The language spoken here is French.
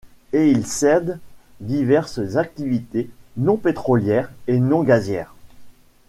Et il cède diverses activités non-pétrolières et non-gazières.